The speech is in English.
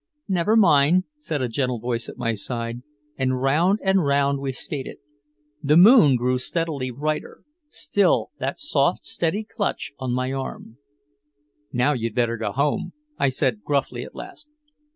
"Never mind," said a gentle voice at my side, and round and round we skated. The moon grew steadily brighter. Still that soft steady clutch on my arm. "Now you'd better go home," I said gruffly at last.